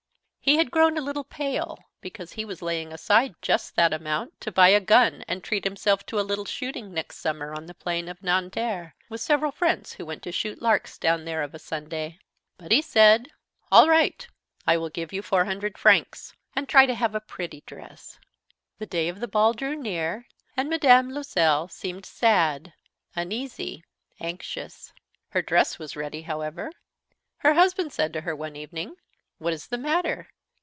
He had grown a little pale, because he was laying aside just that amount to buy a gun and treat himself to a little shooting next summer on the plain of Nanterre, with several friends who went to shoot larks down there of a Sunday. But he said: "All right. I will give you four hundred francs. And try to have a pretty dress." The day of the ball drew near, and Mme. Loisel seemed sad, uneasy, anxious. Her dress was ready, however. Her husband said to her one evening: "What is the matter?